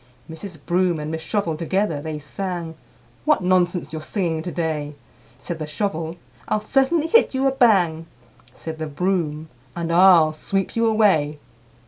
IV. Mrs. Broom and Miss Shovel together they sang, "What nonsense you're singing to day!" Said the Shovel, "I'll certainly hit you a bang!" Said the Broom, "And I'll sweep you away!"